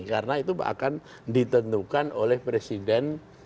karena itu akan ditentukan oleh presiden yang berada di luar negara